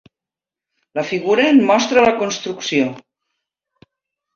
La figura en mostra la construcció.